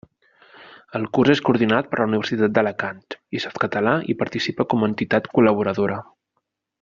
El curs és coordinat per la Universitat d'Alacant, i Softcatalà hi participa com a entitat col·laboradora.